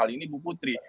ini bu putri